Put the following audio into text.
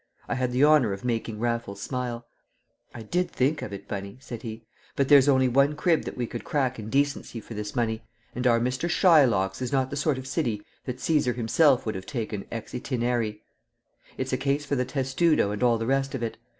I had the honour of making Raffles smile. "I did think of it, Bunny," said he. "But there's only one crib that we could crack in decency for this money; and our Mr. Shylock's is not the sort of city that Caesar himself would have taken ex itinere. It's a case for the testudo and all the rest of it.